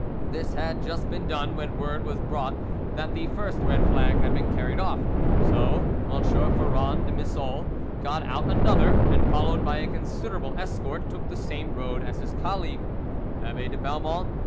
This had just been done when word was brought that the first red flag had been carried off, so M. Ferrand de Missol got out another, and, followed by a considerable escort, took the same road as his colleague, Abbe de Belmont.